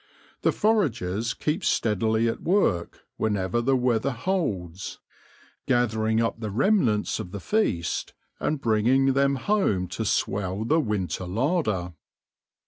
The foragers keep steadily at work whenever the weather holds, gather ing up the remnants of the feast and bringing them G 2 176 THE LORE OF THE HONEY BEE home to swell the winter larder.